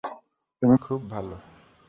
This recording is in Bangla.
তুমি খুব ভালো।